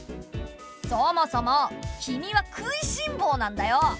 そもそもキミは食いしんぼうなんだよ。